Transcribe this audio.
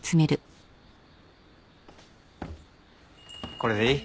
これでいい？